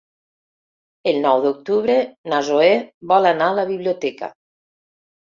El nou d'octubre na Zoè vol anar a la biblioteca.